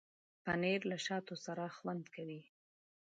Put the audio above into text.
پنېر له شاتو سره خوند لري.